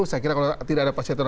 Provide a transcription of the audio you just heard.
saya kira kalau tidak ada positifnya